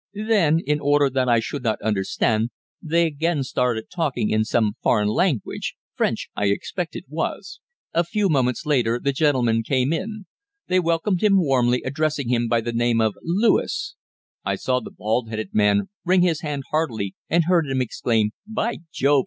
Then, in order that I should not understand, they again started talking in some foreign language French I expect it was. A few moments later the gentleman came in. They welcomed him warmly, addressing him by the name of Lewis. I saw the bald headed man wring his hand heartily, and heard him exclaim: 'By Jove!